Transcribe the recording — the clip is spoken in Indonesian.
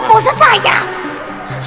ketemu ustaz sayang